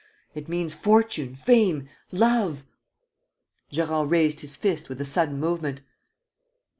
It means fortune, fame, love. ..." Gérard raised his fist with a sudden movement.